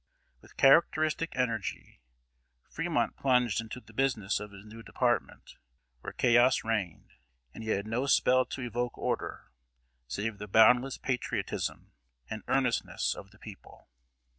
With characteristic energy, Fremont plunged into the business of his new department, where chaos reigned, and he had no spell to evoke order, save the boundless patriotism and earnestness of the people.